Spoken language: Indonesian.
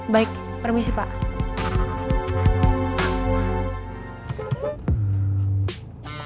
baik permisi pak